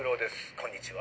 こんにちは。